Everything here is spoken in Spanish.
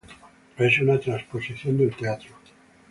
Es una transposición del teatro.